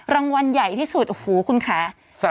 รางวัลใหญ่ที่สุดโอ้โหคุณค่ะ